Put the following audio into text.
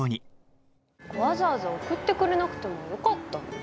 わざわざ送ってくれなくてもよかったのに。